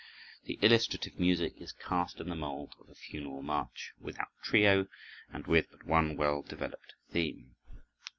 The illustrative music is cast in the mold of a "funeral march," without trio and with but one well developed theme.